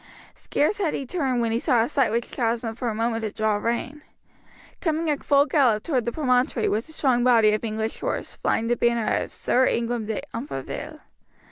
Scarce had he turned when he saw a sight which caused him for a moment to draw rein. Coming at full gallop toward the promontory was a strong body of English horse, flying the banner of Sir Ingram de Umfraville.